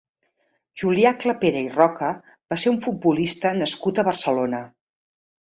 Julià Clapera i Roca va ser un futbolista nascut a Barcelona.